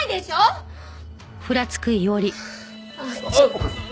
お義母さん。